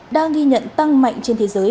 đang ghi nhận tăng mạnh trên thế giới